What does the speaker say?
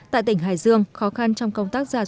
tại tỉnh hải dương khó khăn trong công tác gia đình